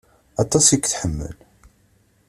Aṭas i k-tḥemmel.